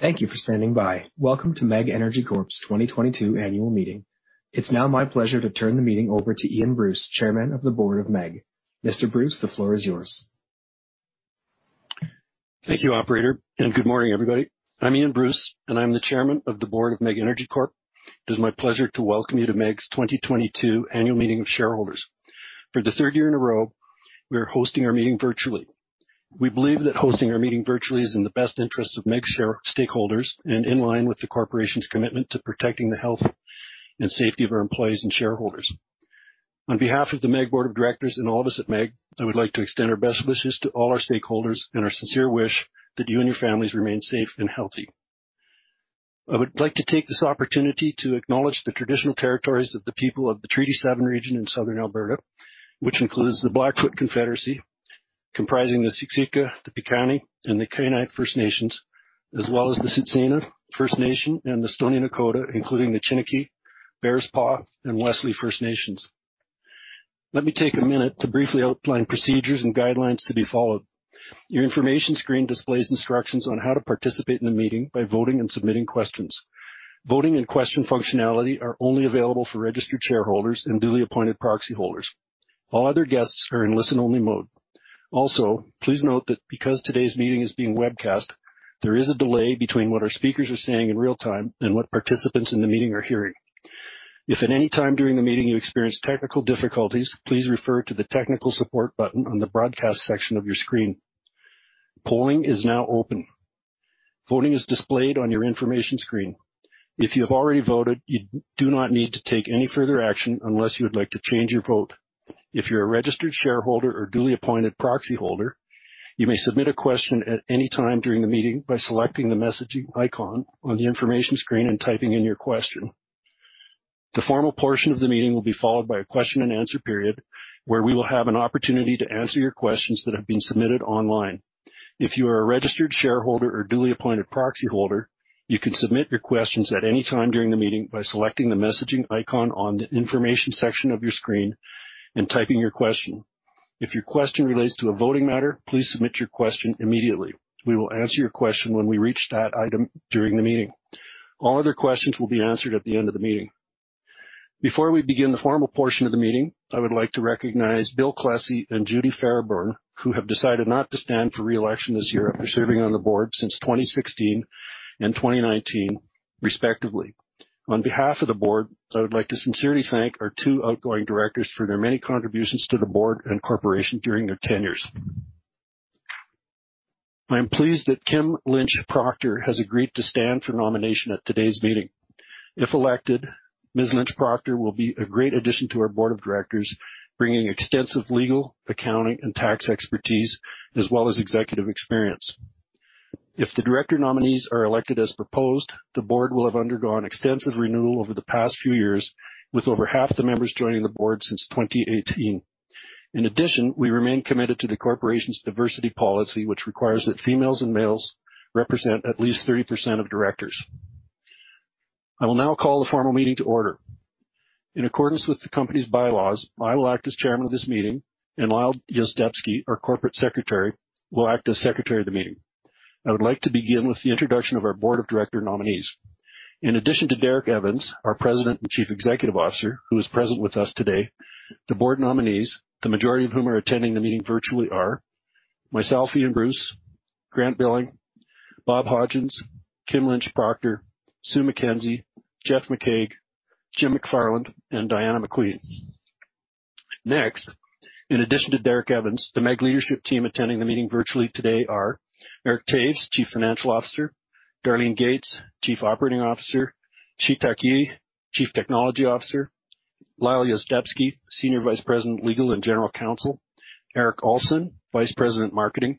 Thank you for standing by. Welcome to MEG Energy Corp.'s 2022 annual meeting. It's now my pleasure to turn the meeting over to Ian Bruce, Chairman of the board of MEG. Mr. Bruce, the floor is yours. Thank you, operator, and good morning, everybody. I'm Ian Bruce, and I'm the Chairman of the Board of MEG Energy Corp. It is my pleasure to welcome you to MEG's 2022 annual meeting of shareholders. For the third year in a row, we are hosting our meeting virtually. We believe that hosting our meeting virtually is in the best interest of MEG's stakeholders and in line with the corporation's commitment to protecting the health and safety of our employees and shareholders. On behalf of the MEG board of directors and all of us at MEG, I would like to extend our best wishes to all our stakeholders and our sincere wish that you and your families remain safe and healthy. I would like to take this opportunity to acknowledge the traditional territories of the people of the Treaty 7 region in southern Alberta, which includes the Blackfoot Confederacy, comprising the Siksika, the Piikani, and the Kainai First Nations, as well as the Tsuut'ina First Nation and the Stoney Nakoda, including the Chiniki, Bearspaw, and Goodstoney First Nations. Let me take a minute to briefly outline procedures and guidelines to be followed. Your information screen displays instructions on how to participate in the meeting by voting and submitting questions. Voting and question functionality are only available for registered shareholders and duly appointed proxyholders. All other guests are in listen-only mode. Also, please note that because today's meeting is being webcast, there is a delay between what our speakers are saying in real time and what participants in the meeting are hearing. If at any time during the meeting you experience technical difficulties, please refer to the Technical Support button on the Broadcast section of your screen. Polling is now open. Voting is displayed on your information screen. If you've already voted, you do not need to take any further action unless you would like to change your vote. If you're a registered shareholder or duly appointed proxyholder, you may submit a question at any time during the meeting by selecting the messaging icon on the information screen and typing in your question. The formal portion of the meeting will be followed by a question-and-answer period, where we will have an opportunity to answer your questions that have been submitted online. If you are a registered shareholder or duly appointed proxyholder, you can submit your questions at any time during the meeting by selecting the messaging icon on the information section of your screen and typing your question. If your question relates to a voting matter, please submit your question immediately. We will answer your question when we reach that item during the meeting. All other questions will be answered at the end of the meeting. Before we begin the formal portion of the meeting, I would like to recognize Bill Klesse and Judy Fairburn, who have decided not to stand for re-election this year after serving on the board since 2016 and 2019 respectively. On behalf of the board, I would like to sincerely thank our two outgoing directors for their many contributions to the board and corporation during their tenures. I am pleased that Kim Lynch Proctor has agreed to stand for nomination at today's meeting. If elected, Ms. Lynch Proctor will be a great addition to our board of directors, bringing extensive legal, accounting, and tax expertise as well as executive experience. If the director nominees are elected as proposed, the board will have undergone extensive renewal over the past few years, with over half the members joining the board since 2018. In addition, we remain committed to the corporation's diversity policy, which requires that females and males represent at least 30% of directors. I will now call the formal meeting to order. In accordance with the company's bylaws, I will act as chairman of this meeting, and Lyle Yuzdepski, our corporate secretary, will act as secretary of the meeting. I would like to begin with the introduction of our board of director nominees. In addition to Derek Evans, our President and Chief Executive Officer, who is present with us today, the board nominees, the majority of whom are attending the meeting virtually, are myself, Ian Bruce, Grant Billing, Bob Hodgins, Kim Lynch Proctor, Sue MacKenzie, Jeff McCaig, Jim McFarland, and Diana McQueen. Next, in addition to Derek Evans, the MEG leadership team attending the meeting virtually today, are Eric Toews, Chief Financial Officer, Darlene Gates, Chief Operating Officer, Chi-Tak Yee, Chief Technology Officer, Lyle Yuzdepski, Senior Vice President, Legal and General Counsel, Erik Alson, Vice President, Marketing,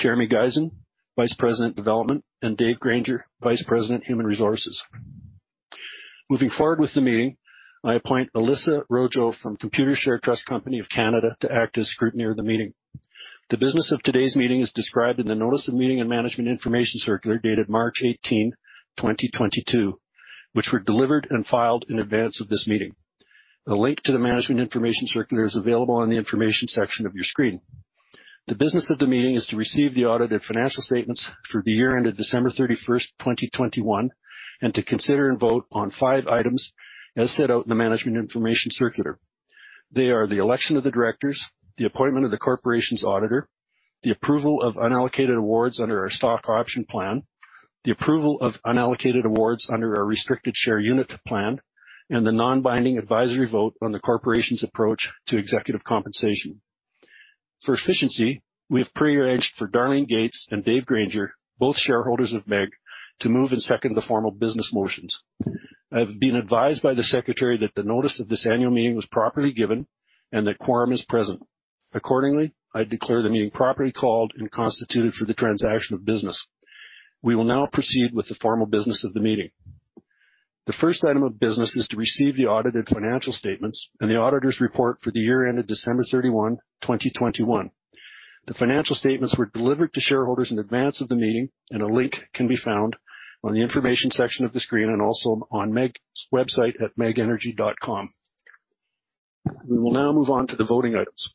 Jeremy Gizen, Vice President, Development, and Dave Granger, Vice President, Human Resources. Moving forward with the meeting, I appoint Elissa Rojo from Computershare Trust Company of Canada to act as scrutineer of the meeting. The business of today's meeting is described in the Notice of Meeting and Management Information Circular dated March 18, 2022, which were delivered and filed in advance of this meeting. The link to the management information circular is available on the information section of your screen. The business of the meeting is to receive the audited financial statements for the year ended December 31, 2021, and to consider and vote on five items as set out in the management information circular. They are the election of the directors, the appointment of the corporation's auditor, the approval of unallocated awards under our stock option plan, the approval of unallocated awards under our restricted share unit plan, and the non-binding advisory vote on the corporation's approach to executive compensation. For efficiency, we have prearranged for Darlene Gates and Dave Granger, both shareholders of MEG, to move and second the formal business motions. I've been advised by the secretary that the notice of this annual meeting was properly given and that quorum is present. Accordingly, I declare the meeting properly called and constituted for the transaction of business. We will now proceed with the formal business of the meeting. The first item of business is to receive the audited financial statements and the auditor's report for the year ended December 31, 2021. The financial statements were delivered to shareholders in advance of the meeting, and a link can be found on the information section of the screen and also on MEG's website at megenergy.com. We will now move on to the voting items.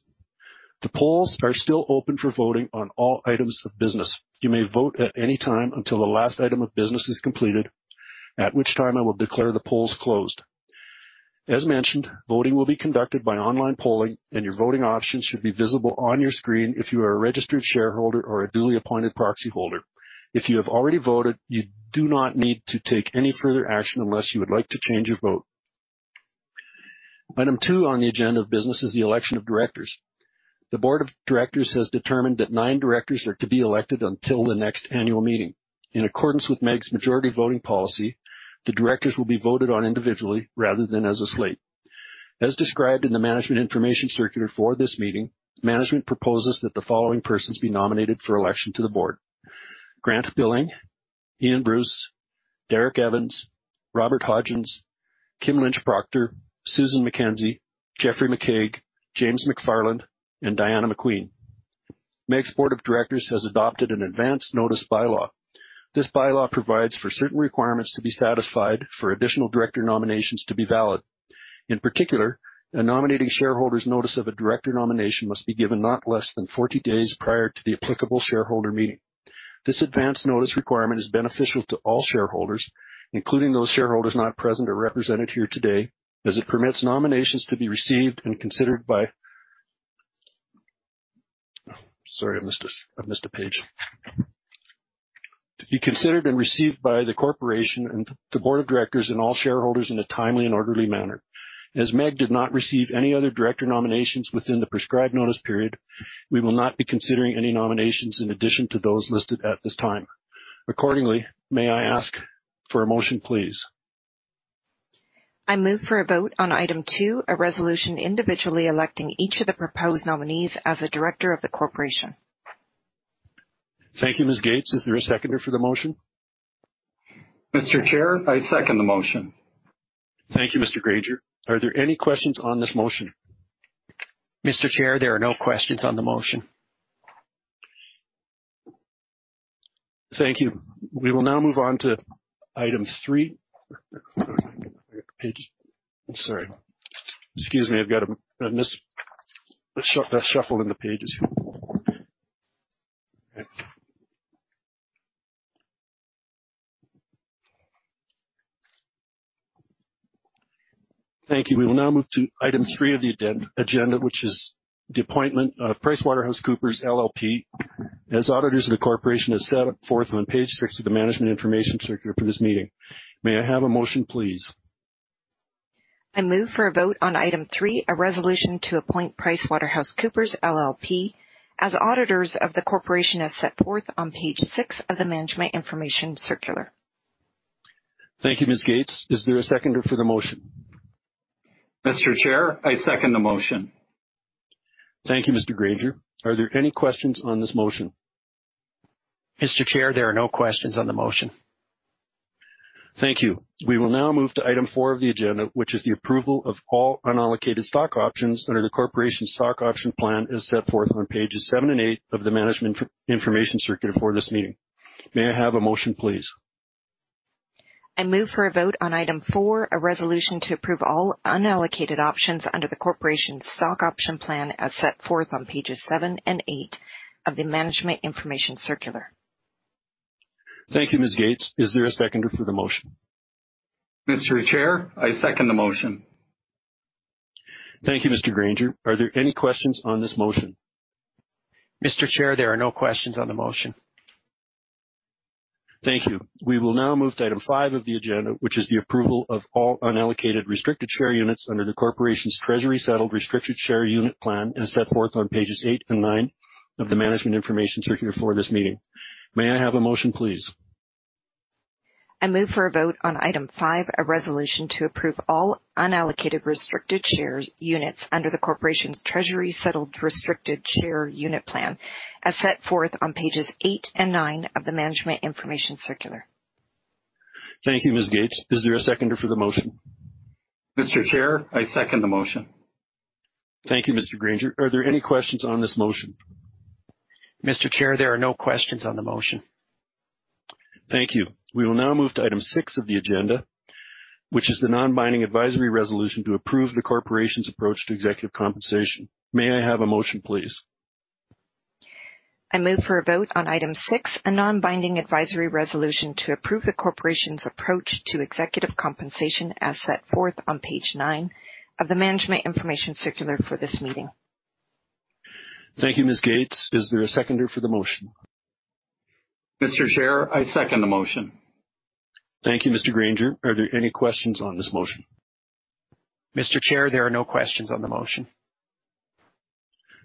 The polls are still open for voting on all items of business. You may vote at any time until the last item of business is completed, at which time I will declare the polls closed. As mentioned, voting will be conducted by online polling, and your voting options should be visible on your screen if you are a registered shareholder or a duly appointed proxy holder. If you have already voted, you do not need to take any further action unless you would like to change your vote. Item two on the agenda of business is the election of directors. The board of directors has determined that nine directors are to be elected until the next annual meeting. In accordance with MEG's majority voting policy, the directors will be voted on individually rather than as a slate. As described in the management information circular for this meeting, management proposes that the following persons be nominated for election to the board. Grant Billing, Ian Bruce, Derek Evans, Robert Hodgins, Kim Lynch Proctor, Susan MacKenzie, Jeffrey McCaig, James McFarland, and Diana McQueen. MEG's board of directors has adopted an advance notice bylaw. This bylaw provides for certain requirements to be satisfied for additional director nominations to be valid. In particular, a nominating shareholder's notice of a director nomination must be given not less than 40 days prior to the applicable shareholder meeting. This advance notice requirement is beneficial to all shareholders, including those shareholders not present or represented here today, as it permits nominations to be received and considered by the corporation and the board of directors and all shareholders in a timely and orderly manner. As MEG did not receive any other director nominations within the prescribed notice period, we will not be considering any nominations in addition to those listed at this time. Accordingly, may I ask for a motion, please? I move for a vote on item two, a resolution individually electing each of the proposed nominees as a director of the corporation. Thank you, Ms. Gates. Is there a seconder for the motion? Mr. Chair, I second the motion. Thank you, Mr. Granger. Are there any questions on this motion? Mr. Chair, there are no questions on the motion. Thank you. We will now move on to item three. I'm sorry. Excuse me, I've got a mis-shuffled in the pages. Thank you. We will now move to item three of the agenda, which is the appointment of PricewaterhouseCoopers LLP as auditors of the corporation, as set forth on page six of the management information circular for this meeting. May I have a motion, please? I move for a vote on item three, a resolution to appoint PricewaterhouseCoopers LLP as auditors of the corporation, as set forth on page six of the management information circular. Thank you, Ms. Gates. Is there a seconder for the motion? Mr. Chair, I second the motion. Thank you, Mr. Granger. Are there any questions on this motion? Mr. Chair, there are no questions on the motion. Thank you. We will now move to item four of the agenda, which is the approval of all unallocated stock options under the corporation's stock option plan, as set forth on pages seven and eight of the management information circular for this meeting. May I have a motion, please? I move for a vote on item four, a resolution to approve all unallocated options under the corporation's stock option plan, as set forth on pages seven and eight of the management information circular. Thank you, Ms. Gates. Is there a seconder for the motion? Mr. Chair, I second the motion. Thank you, Mr. Granger. Are there any questions on this motion? Mr. Chair, there are no questions on the motion. Thank you. We will now move to item five of the agenda, which is the approval of all unallocated restricted share units under the corporation's treasury-settled restricted share unit plan, as set forth on pages eight and nine of the management information circular for this meeting. May I have a motion, please? I move for a vote on item five, a resolution to approve all unallocated restricted share units under the corporation's treasury-settled restricted share unit plan, as set forth on pages eight and nine of the management information circular. Thank you, Ms. Gates. Is there a seconder for the motion? Mr. Chair, I second the motion. Thank you, Mr. Granger. Are there any questions on this motion? Mr. Chair, there are no questions on the motion. Thank you. We will now move to item six of the agenda, which is the non-binding advisory resolution to approve the corporation's approach to executive compensation. May I have a motion, please? I move for a vote on item six, a non-binding advisory resolution to approve the corporation's approach to executive compensation, as set forth on page nine of the management information circular for this meeting. Thank you, Ms. Gates. Is there a seconder for the motion? Mr. Chair, I second the motion. Thank you, Mr. Granger. Are there any questions on this motion? Mr. Chair, there are no questions on the motion.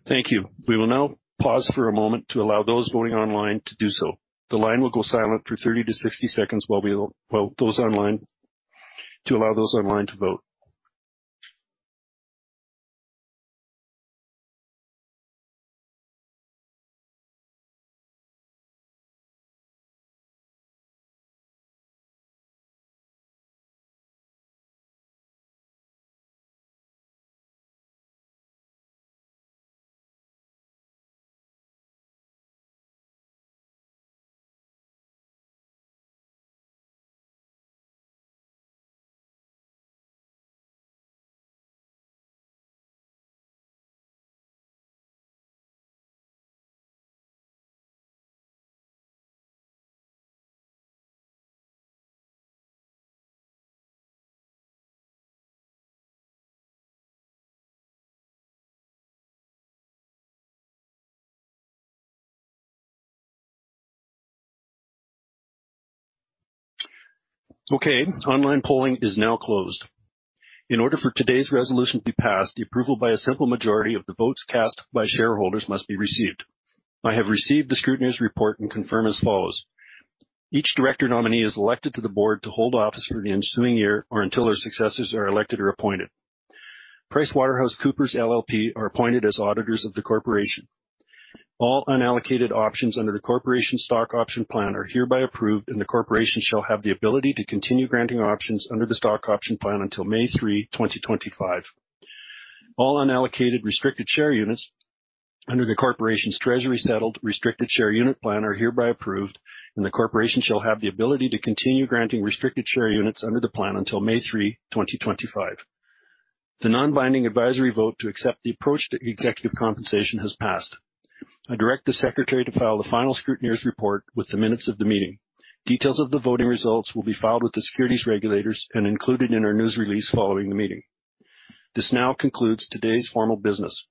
Thank you. We will now pause for a moment to allow those voting online to do so. The line will go silent for 30-60 seconds to allow those online to vote. Okay. Online polling is now closed. In order for today's resolution to be passed, the approval by a simple majority of the votes cast by shareholders must be received. I have received the scrutineer's report and confirm as follows. Each director nominee is elected to the board to hold office for the ensuing year or until their successors are elected or appointed. PricewaterhouseCoopers LLP are appointed as auditors of the corporation. All unallocated options under the corporation stock option plan are hereby approved, and the corporation shall have the ability to continue granting options under the stock option plan until May 3, 2025. All unallocated restricted share units under the corporation's treasury settled restricted share unit plan are hereby approved, and the corporation shall have the ability to continue granting restricted share units under the plan until May 3, 2025. The non-binding advisory vote to accept the approach to executive compensation has passed. I direct the secretary to file the final scrutineer's report with the minutes of the meeting. Details of the voting results will be filed with the securities regulators and included in our news release following the meeting. This now concludes today's formal business.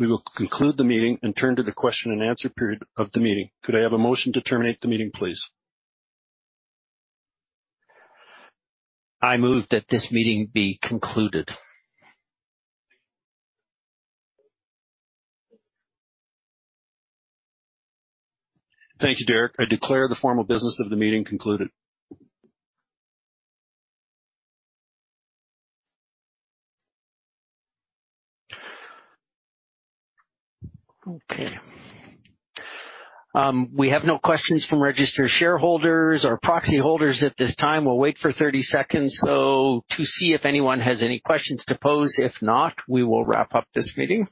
We will conclude the meeting and turn to the question and answer period of the meeting. Could I have a motion to terminate the meeting, please? I move that this meeting be concluded. Thank you, Derek. I declare the formal business of the meeting concluded. Okay. We have no questions from registered shareholders or proxy holders at this time. We'll wait for 30 seconds, though, to see if anyone has any questions to pose. If not, we will wrap up this meeting.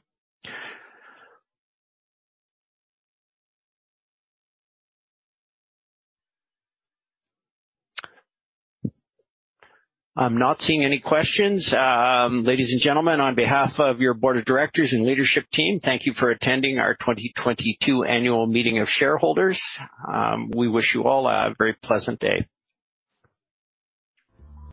I'm not seeing any questions. Ladies and gentlemen, on behalf of your board of directors and leadership team, thank you for attending our 2022 annual meeting of shareholders. We wish you all a very pleasant day.